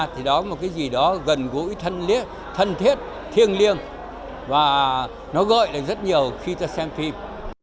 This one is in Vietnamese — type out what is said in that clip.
thì đó là một cái gì đó gần gũi thân thiết thiêng liêng và nó gọi là rất nhiều khi ta xem phim